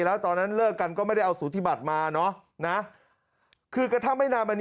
แล้วตอนนั้นเลิกกันก็ไม่ได้เอาสูติบัติมาเนาะ